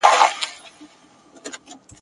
له لیري ولاتونو دي پانوس ته یم راغلی !.